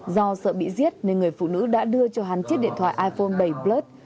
do sợ bị giết nên người phụ nữ đã đưa cho hắn chiếc điện thoại iphone bảy plus